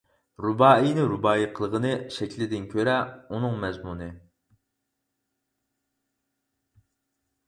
رۇبائىينى رۇبائىي قىلغىنى شەكلىدىن كۆرە ئۇنىڭ مەزمۇنى.